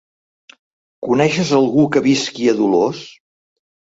Coneixes algú que visqui a Dolors?